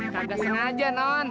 kagak sengaja non